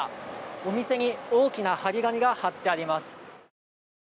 お店に大きな貼り紙が貼ってあります。